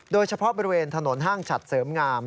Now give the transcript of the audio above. โดยเฉพาะบริเวณถนนห้างฉัดเสริมงาม